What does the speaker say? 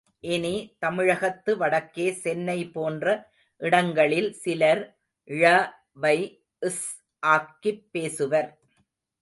இனி, தமிழகத்து வடக்கே சென்னை போன்ற இடங்களில் சிலர் ழ வை ஸ் ஆக்கிப் பேசுவர்.